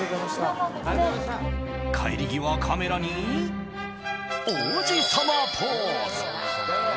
帰り際カメラに王子様ポーズ！